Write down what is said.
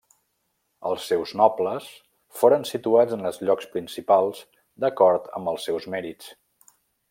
Els seus nobles foren situats en els llocs principals d'acord amb els seus mèrits.